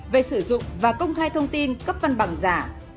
về sử dụng và công khai thông tin cấp văn bằng giả